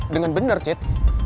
dengan bener cit